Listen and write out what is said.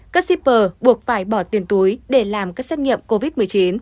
các shipper buộc phải bỏ tiền túi để làm các xét nghiệm covid một mươi chín